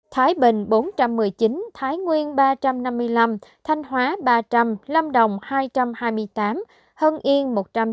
thái bình bốn trăm một mươi chín thái nguyên ba trăm năm mươi năm thanh hóa ba trăm linh lâm đồng hai trăm hai mươi tám hưng yên một trăm chín mươi